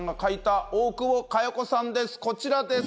こちらです。